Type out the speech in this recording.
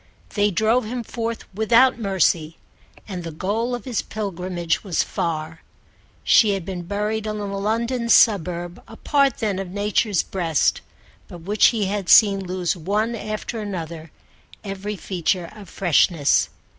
They drove him forth without mercy, and the goal of his pilgrimage was far. She had been buried in a London suburb, a part then of Nature's breast, but which he had seen lose one after another every feature of freshness.